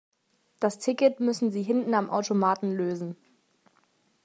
Das Ticket müssen Sie hinten am Automaten lösen.